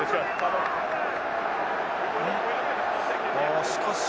あしかし。